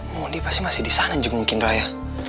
mon dia pasti masih disana jengukin raya